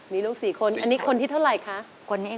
มีลูก๔คนอันนี้คนที่เท่าไหร่คะ